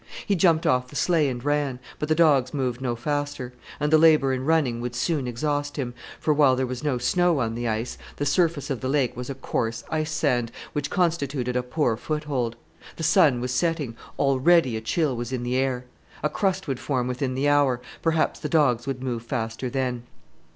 He jumped off the sleigh and ran; but the dogs moved no faster; and the labour in running would soon exhaust him, for while there was no snow on the ice, the surface of the lake was a coarse ice sand, which constituted a poor foothold. The sun was setting; already a chill was in the air. A crust would form within the hour; perhaps the dogs would move faster then.